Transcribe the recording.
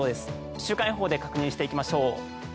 週間予報で確認していきましょう。